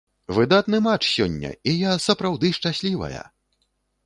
Выдатны матч сёння, і я сапраўды шчаслівая!